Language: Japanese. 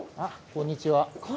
こんにちは。